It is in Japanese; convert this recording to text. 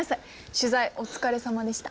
取材お疲れさまでした。